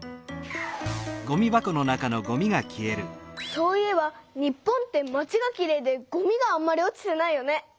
そういえば日本って町がきれいでごみがあんまり落ちてないよね。